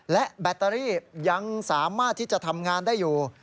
และแบตเตอรี่ยังสามารถที่จะทำงานได้อยู่